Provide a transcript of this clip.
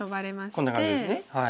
こんな感じですね。